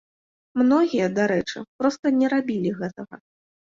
Многія, дарэчы, проста не рабілі гэтага.